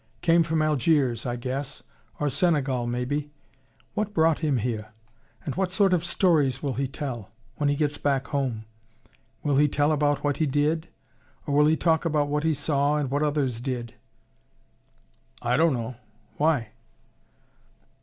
Came from Algiers, I guess, or Senegal, maybe. What brought him here, and what sort of stories will he tell ... when he gets back home? Will he tell about what he did, or will he talk about what he saw and what others did?" "Dunno. Why?"